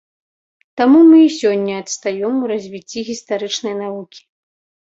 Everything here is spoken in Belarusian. Таму мы і сёння адстаём у развіцці гістарычнай навукі.